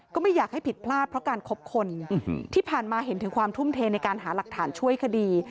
ก็ไม่อยากให้ผิดพลาดเพราะการคบคนที่ผ่านมาเห็นถึงความทุ่มเทในการหาหลักฐานช่วยคดี